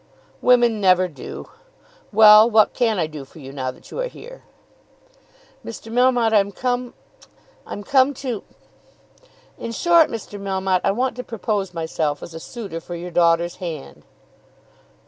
"Women never do. Well; what can I do for you, now that you are here?" "Mr. Melmotte, I'm come, I'm come to; in short, Mr. Melmotte, I want to propose myself as a suitor for your daughter's hand."